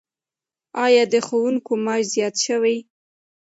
آیا د ښوونکو معاش زیات شوی؟